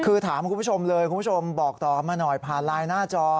คือถามคุณผู้ชมเลยคุณผู้ชมบอกต่อมาหน่อยผ่านไลน์หน้าจอ